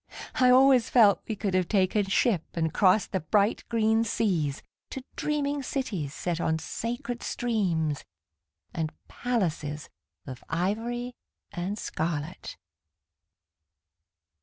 I always felt we could have taken ship And crossed the bright green seas To dreaming cities set on sacred streams And palaces Of ivory and scarlet.